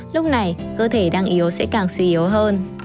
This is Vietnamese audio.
lúc này cơ thể đang yếu sẽ càng suy yếu hơn